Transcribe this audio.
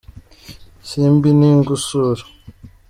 Simbi Ningusura